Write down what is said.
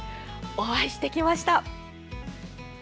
お会いしてきました。